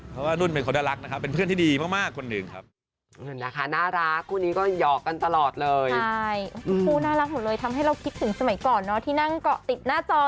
เพราะว่ารุ่นเป็นคนน่ารักนะครับเป็นเพื่อนที่ดีมากคนหนึ่งครับ